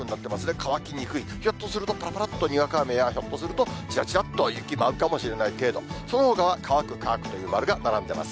乾きにくい、ひょっとするとぱらぱらっとにわか雨や、ひょっとすると、ちらちらっと雪舞うかもしれない程度、そのほかは乾く、乾くという丸が並んでいます。